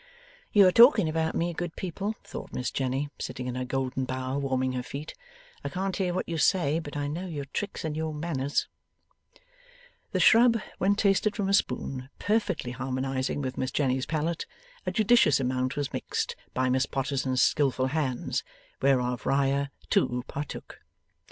'You are talking about Me, good people,' thought Miss Jenny, sitting in her golden bower, warming her feet. 'I can't hear what you say, but I know your tricks and your manners!' The shrub, when tasted from a spoon, perfectly harmonizing with Miss Jenny's palate, a judicious amount was mixed by Miss Potterson's skilful hands, whereof Riah too partook.